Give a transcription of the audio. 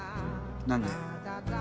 何で？